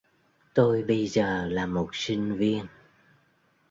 tôi bây giờ là một sinh viên